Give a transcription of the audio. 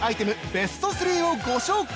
ベスト３をご紹介